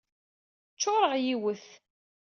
Ccuṛeɣ yiwet.